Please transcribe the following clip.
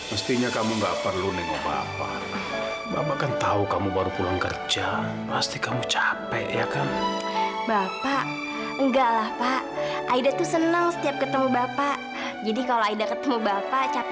enak gak pak pijetan aida